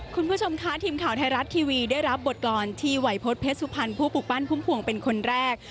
คุณผู้ชมค่ะทีมข่าวไทยรัฐทีวีได้รับบทกรรมที่วัยพฤษเพชรสุพรรณผู้ปลูกปั้นพุ่มพวงเป็นคนแรก